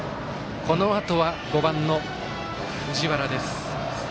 このあとは、５番の藤原です。